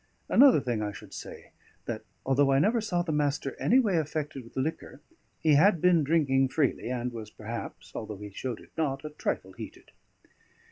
Another thing I should say, that although I never saw the Master anyway affected with liquor, he had been drinking freely, and was perhaps (although he showed it not) a trifle heated.